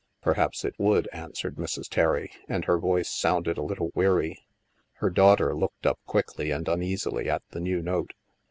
"" Perhaps it would," answered Mrs. Terry, and her voice sounded a little weary. Her daughter looked up quickly and uneasily at the new note.